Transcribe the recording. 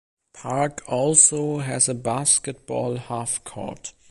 Park also has a basketball half-court.